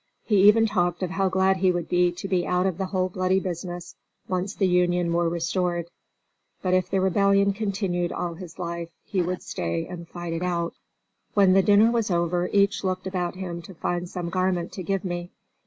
He even talked of how glad he would be to be out of the whole bloody business, once the Union were restored. But if the rebellion continued all his life, he would stay and fight it out. When the dinner was over each looked about him to find some garment to give me.